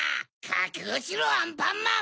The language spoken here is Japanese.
かくごしろアンパンマン！